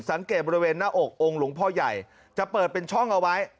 สังเกตบริเวณหน้าอกองค์หลวงพ่อใหญ่จะเปิดเป็นช่องเอาไว้